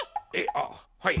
あっはい。